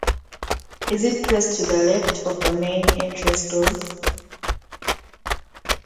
It is placed to the left of the main entrance doors.